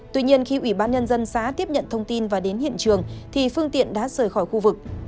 tuy nhiên khi ủy ban nhân dân xã tiếp nhận thông tin và đến hiện trường thì phương tiện đã rời khỏi khu vực